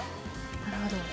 なるほど。